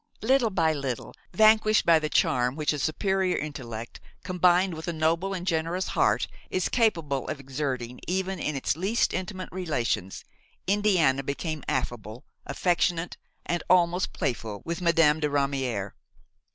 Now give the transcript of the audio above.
Little by little, vanquished by the charm which a superior intellect, combined with a noble and generous heart, is capable of exerting even in its least intimate relations, Indiana became affable, affectionate and almost playful with Madame de Ramière.